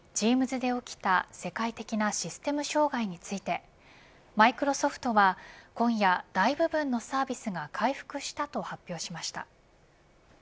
Ｔｅａｍｓで起きた世界的なシステム障害についてマイクロソフトは今夜大部分のサービスが回復したと発表しました。